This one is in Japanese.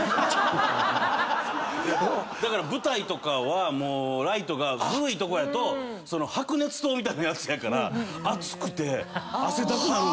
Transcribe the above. だから舞台とかはもうライトが古いとこやと白熱灯みたいなやつやから熱くて汗だくになるんですよ。